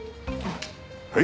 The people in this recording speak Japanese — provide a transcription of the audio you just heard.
はい。